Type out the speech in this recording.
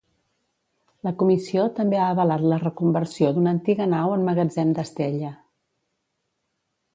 La Comissió també ha avalat la reconversió d'una antiga nau en magatzem d'estella.